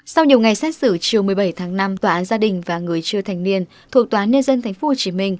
sau nhiều ngày xét xử chiều một mươi bảy tháng năm tòa án gia đình và người chưa thành niên thuộc tòa án nhân dân tp hcm